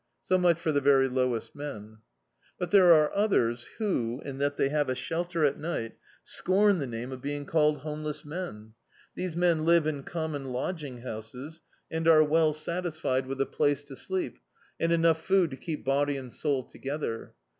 So much for the very lowest men. But there are others who, in that they have a shelter at night, scorn the name of being called home D,i.,.db, Google Rain and Poverty less men. These men live in OHnmon lodging bouses, and are well satisfied with a place to sleep and enough food to keep body and soul together.